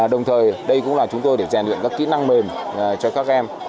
đồng thời đây cũng là chúng tôi để rèn luyện các kỹ năng mềm cho các em